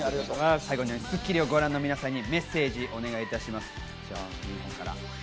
最後に『スッキリ』をご覧の皆さんにメッセージをお願いします。